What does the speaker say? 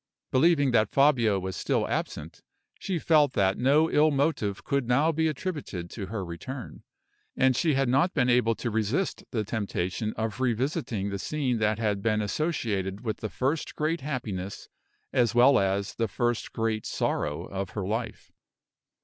Believing that Fabio was still absent, she felt that no ill motive could now be attributed to her return; and she had not been able to resist the temptation of revisiting the scene that had been associated with the first great happiness as well as with the first great sorrow of her life.